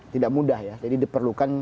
tidak mudah jadi diperlukan